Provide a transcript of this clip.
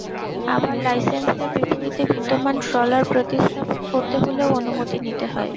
আবার লাইসেন্সের বিপরীতে বিদ্যমান ট্রলার প্রতিস্থাপন করতে হলেও অনুমতি নিতে হয়।